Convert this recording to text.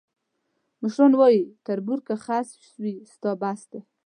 مشران وایي: تربور که خس وي، ستا بس دی.